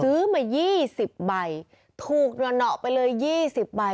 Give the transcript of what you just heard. ซื้อมายี่สิบใบถูกหนอหนอไปเลยยี่สิบใบ